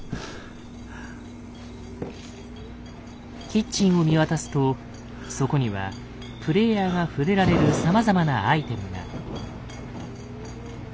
キッチンを見渡すとそこにはプレイヤーが触れられるさまざまなアイテムが。